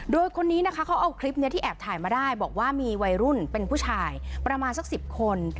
โดยคนนี้นะคะเขาเอาคลิปนี้ที่แอบถ่ายมาได้บอกว่ามีวัยรุ่นเป็นผู้ชายประมาณสัก๑๐คน